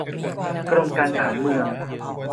กรมการผังเมือง